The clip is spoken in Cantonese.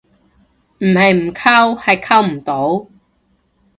唔係唔溝，係溝唔到